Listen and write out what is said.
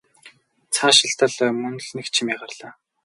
Цаашилтал мөн л нэг чимээ гарлаа.